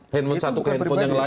handphone satu ke handphone yang lain